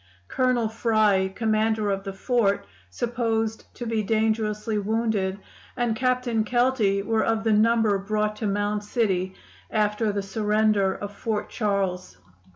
Colonel Fry, commander of the fort, supposed to be dangerously wounded, and Captain Kelty were of the number brought to Mound City after the surrender of Fort Charles.